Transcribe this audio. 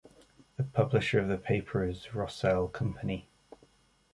The publisher of the paper is Rossel company.